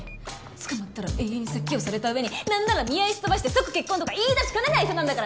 捕まったら延々説教された上になんなら見合いすっ飛ばして即結婚とか言い出しかねない人なんだから！